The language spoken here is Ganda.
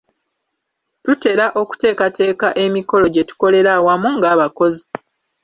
Tutera okuteekateeka emikolo gye tukolera awamu ng’abakozi.